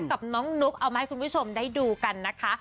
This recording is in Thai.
กับน้องนุ๊กเอามาให้คุณผู้ชมได้ดูกันนะคะ